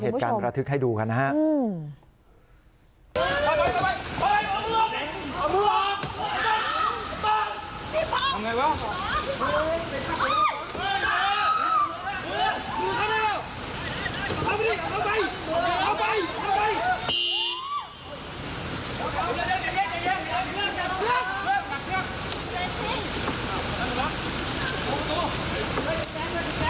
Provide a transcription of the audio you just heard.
เหตุการณ์ระทึกให้ดูกันนะครับ